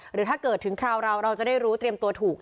หรือถ้าเกิดถึงคราวเราเราจะได้รู้เตรียมตัวถูก